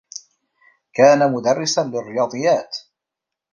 كان مدرّسا للرّياضيّات.